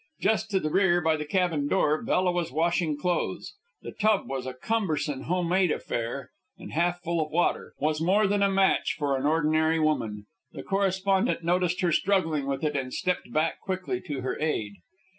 Just to the rear, by the cabin door, Bella was washing clothes. The tub was a cumbersome home made affair, and half full of water, was more than a fair match for an ordinary woman. The correspondent noticed her struggling with it, and stepped back quickly to her aid.